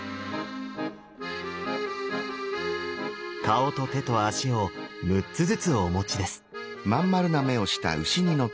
顔と手と足を６つずつお持ちです。